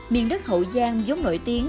miền đất hậu giang giống nổi tiếng